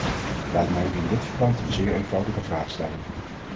Laat mij u in dit verband een zeer eenvoudige vraag stellen.